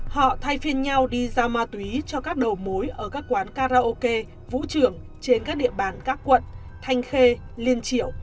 họ thay phiên nhau đi giao ma túy cho các đầu mối ở các quán karaoke vũ trường trên các địa bàn các quận thanh khê liên triệu